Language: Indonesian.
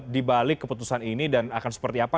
di balik keputusan ini dan akan seperti apa